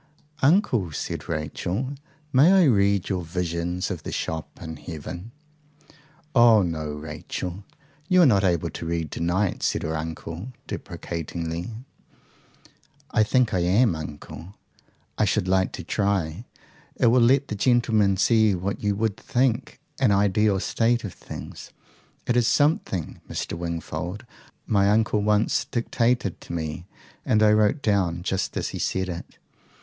"Uncle," said Rachel, "may I read your visions of the shops in heaven?" "Oh no, Rachel. You are not able to read to night," said her uncle deprecatingly. "I think I am, uncle. I should like to try. It will let the gentlemen see what you WOULD think an ideal state of things. It is something, Mr. Wingfold, my uncle once dictated to me, and I wrote down just as he said it.